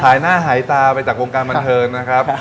หายหน้าหายตาไปจากวงการบันเทิงนะครับ